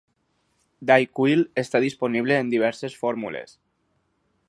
DayQuil està disponibles en diverses fórmules.